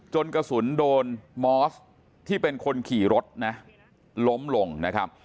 กระสุนโดนมอสที่เป็นคนขี่รถนะล้มลงนะครับ